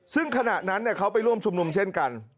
ซึ่งขณะนั้นเขาไปร่วมชุมนุมเช่นกัน